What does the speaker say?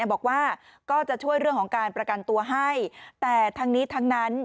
บอกว่าก็จะช่วยเรื่องของการประกันตัวให้แต่ทั้งนี้ทั้งนั้น